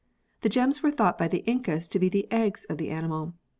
The gems were thought by the Incas to be the " eggs " of the animal.